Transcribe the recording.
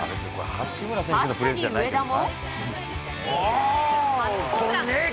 確かに上田も。